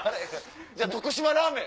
じゃあ徳島ラーメン。